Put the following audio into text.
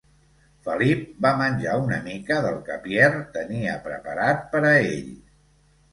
Felip va menjar una mica del què Pierre tenia preparat per a ell.